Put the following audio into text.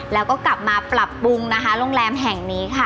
แล้วก็กลับมาปรับปรุงนะคะโรงแรมแห่งนี้ค่ะ